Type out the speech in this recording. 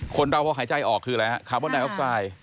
คนเราพอหายใจออกคืออะไรครับคาร์โบนไนล์ออกซาย